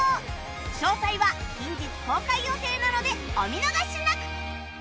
詳細は近日公開予定なのでお見逃しなく！